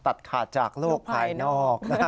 ตัดขาดจากโลกภายนอก